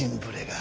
あ。